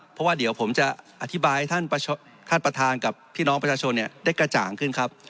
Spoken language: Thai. เพราะว่าเดี๋ยวผมจะอธิบายให้ท่านประธานกับพี่น้องประชาชนได้กระจ่างขึ้นครับ